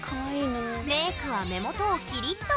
メークは目元をキリッと。